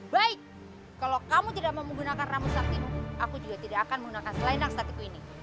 baik kalau kamu tidak mau menggunakan rambut kesatianmu aku juga tidak akan menggunakan selain rambut kesatianku ini